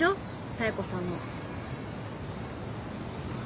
妙子さんも。